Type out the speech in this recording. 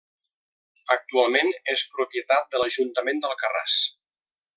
Actualment és propietat de l'Ajuntament d'Alcarràs.